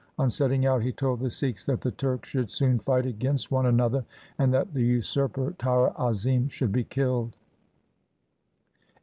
On setting out he told the Sikhs that the Turks should soon fight against one another, and that the usurper, Tara Azim, should be killed.